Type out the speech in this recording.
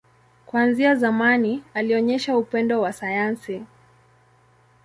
Kuanzia zamani, alionyesha upendo wa sayansi.